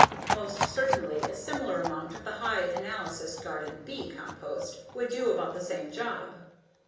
Most certainly a similar amount of the high analysis Garden "B" compost would do about the same job.